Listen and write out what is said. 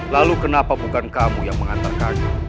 lalu kenapa bukan kamu yang mengantarkan